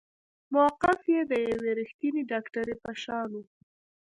موقف يې د يوې رښتينې ډاکټرې په شان وه.